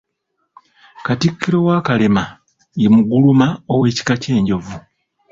Katikkiro wa Kalema ye Muguluma ow'ekika ky'Enjovu.